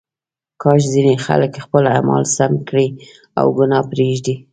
کاش ځینې خلک خپل اعمال سم کړي او ګناه پرېږدي.